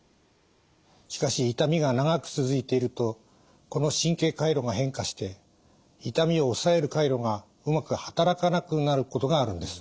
しかし痛みが長く続いているとこの神経回路が変化して痛みを抑える回路がうまく働かなくなることがあるんです。